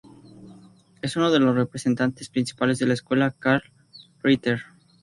Es uno de los representantes principales de la escuela Karl Ritter.